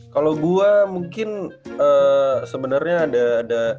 kalo gue mungkin sebenernya ada